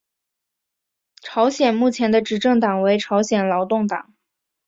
朝鲜目前的执政党为朝鲜劳动党。